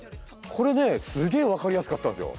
これねすげえ分かりやすかったんですよ。